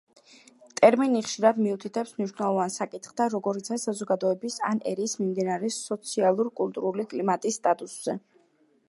ტერმინი ხშირად მიუთითებს მნიშვნელოვან საკითხთა, როგორიცაა საზოგადოებისა ან ერის მიმდინარე სოციალურ-კულტურული კლიმატის, სტატუსზე.